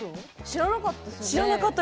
知らなかったです。